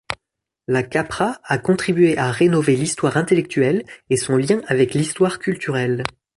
LaCapra a contribué à rénover l'histoire intellectuelle et son lien avec l'histoire culturelle.